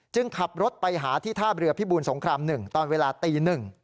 ขับรถไปหาที่ท่าเรือพิบูรสงคราม๑ตอนเวลาตี๑